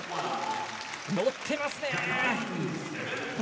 乗ってますね。